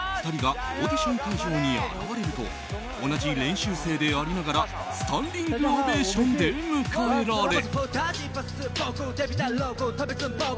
そのため、２人がオーディション会場に現れると同じ練習生でありながらスタンディングオベーションで迎られ。